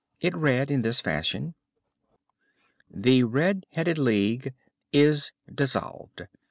It read in this fashion: "THE RED HEADED LEAGUE IS DISSOLVED.